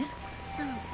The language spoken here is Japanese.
そう。